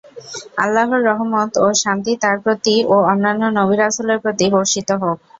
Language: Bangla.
আল্লাহর রহমত ও শান্তি তাঁর প্রতি ও অন্যান্য নবী-রাসূলের প্রতি বর্ষিত হোক!